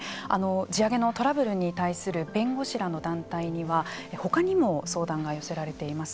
地上げのトラブルに対する弁護士らの団体には他にも相談が寄せられています。